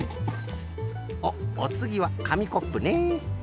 おっおつぎはかみコップね。